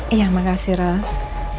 iya makasih ros